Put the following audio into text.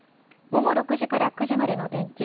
午後６時から９時までの天気。